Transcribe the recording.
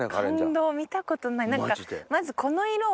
感動見たことない。